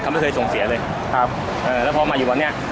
ไม่เคยส่งเสียเลยครับเอ่อแล้วพอมาอยู่วัดเนี้ย